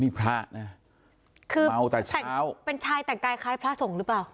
นี่พระนะคือเมาแต่เช้าเป็นชายแต่งกายคล้ายพระสงฆ์หรือเปล่า